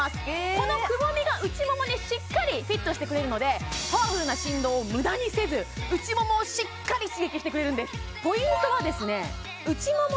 このくぼみが内ももにしっかりフィットしてくれるのでパワフルな振動を無駄にせず内ももをしっかり刺激してくれるんです